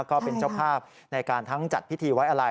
ก็เป็นเจ้าภาพในการทั้งจัดพิธีไว้อะไร